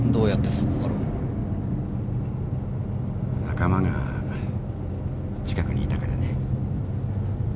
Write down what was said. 仲間が近くにいたからね。